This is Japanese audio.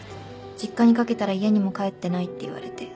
実家にかけたら家にも帰ってないって言われて。